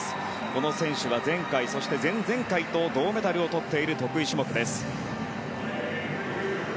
この選手は前回、そして前々回と銅メダルをとっている得意種目です。